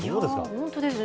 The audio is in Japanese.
本当ですね。